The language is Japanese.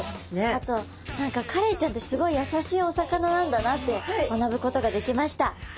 あと何かカレイちゃんってすごい優しいお魚なんだなって学ぶことができました。